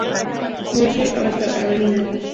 Mosconi hasta Av.